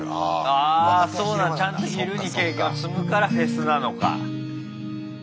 ちゃんと昼に経験を積むからフェスなのか。